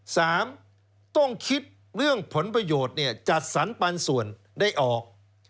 สามต้องคิดเรื่องผลประโยชน์เนี่ยจัดสรรปันส่วนได้ออก